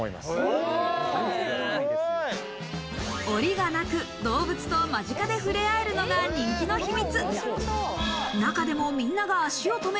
檻がなく、動物と間近で触れ合えるのが人気の秘密。